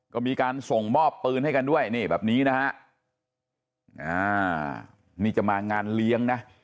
ก็มีการส่งมอบปืนให้กันด้วยนี่แบบนี้นะฮะนี่จะมางานเลี้ยงนะ